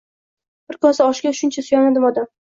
Bir kosa oshga shuncha suyunadimi odam